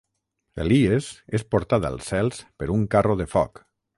Elies és portat als cels per un carro de foc.